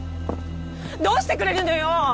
どうしてくれるのよ！